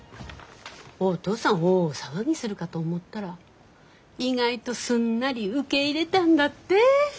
おとうさん大騒ぎするかと思ったら意外とすんなり受け入れたんだって？